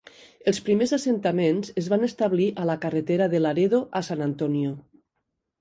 Els primers assentaments es van establir a la carretera de Laredo a San Antonio.